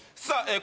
さあ